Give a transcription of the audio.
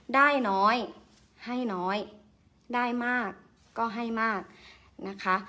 ได้น้อยให้น้อยได้มากก็ให้มากนะคะ